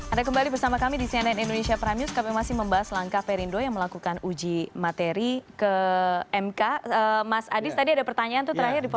ada kembali bersama kami di cnn indonesia prime news kami masih membahas langkah perindo yang melakukan uji materi ke mk mas adis tadi ada pertanyaan